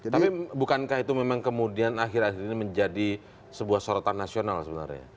tapi bukankah itu memang kemudian akhir akhir ini menjadi sebuah sorotan nasional sebenarnya